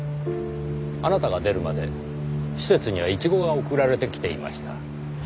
あなたが出るまで施設にはいちごが送られてきていました。